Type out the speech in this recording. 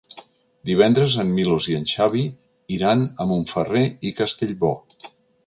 Divendres en Milos i en Xavi iran a Montferrer i Castellbò.